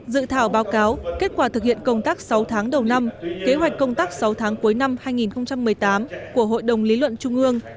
dự thảo báo cáo kết quả thực hiện công tác sáu tháng đầu năm kế hoạch công tác sáu tháng cuối năm hai nghìn một mươi tám của hội đồng lý luận trung ương